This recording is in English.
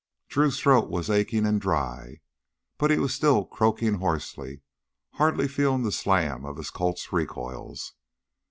Drew's throat was aching and dry, but he was still croaking hoarsely, hardly feeling the slam of his Colts' recoils.